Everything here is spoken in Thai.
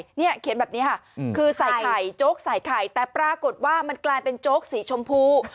เนี่ยเขียนแบบนี้ค่ะคือใส่ไข่โจ๊กใส่ไข่แต่ปรากฏว่ามันกลายเป็นโจ๊กสีชมพู